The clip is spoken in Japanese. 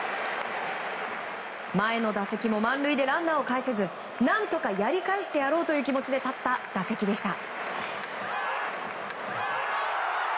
前の打席も満塁でランナーをかえせず何とかやり返してやろうという気持ちで立った打席でした。